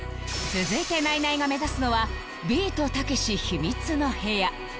続いてナイナイが目指すのはビートたけし秘密の部屋